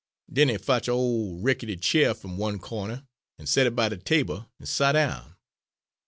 Den he fotch a' ole rickety chair f'm one cawner, and set it by de table, and sot down.